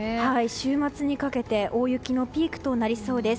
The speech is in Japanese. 週末にかけて大雪のピークとなりそうです。